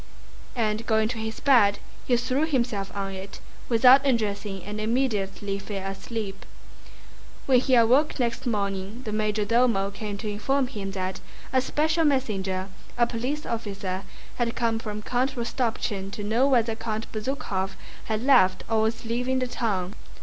And going to his bed he threw himself on it without undressing and immediately fell asleep. When he awoke next morning the major domo came to inform him that a special messenger, a police officer, had come from Count Rostopchín to know whether Count Bezúkhov had left or was leaving the town.